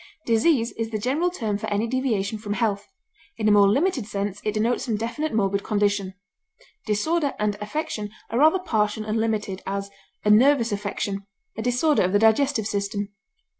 Disease is the general term for any deviation from health; in a more limited sense it denotes some definite morbid condition; disorder and affection are rather partial and limited; as, a nervous affection; a disorder of the digestive system.